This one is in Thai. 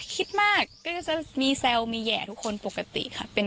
คิดมากก็จะมีแซวมีแห่ทุกคนปกติค่ะ